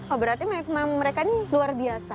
oh berarti mereka ini luar biasa